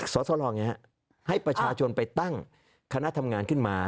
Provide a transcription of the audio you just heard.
สอดสลองอย่างนี้ฮะให้ประชาชนไปตั้งคณะทำงานขึ้นมา